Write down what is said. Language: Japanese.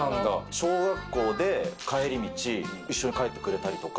小学校で帰り道、一緒に帰ってくれたりとか。